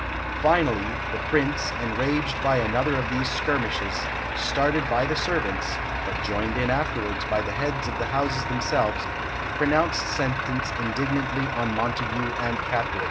Finally, the Prince, enraged by another of these skirmishes, started by the servants, but joined in afterwards by the heads of the houses themselves, pronounced sentence indignantly on Montague and Capulet.